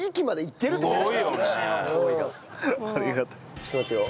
ちょっと待ってよ。